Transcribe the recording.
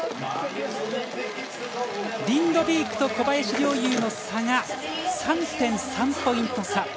リンドビークと小林陵侑の差が３．３ポイント差。